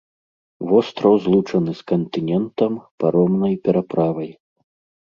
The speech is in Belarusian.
Востраў злучаны з кантынентам паромнай пераправай.